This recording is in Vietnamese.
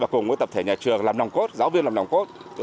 cùng với tập thể nhà trường làm nòng cốt giáo viên làm nòng cốt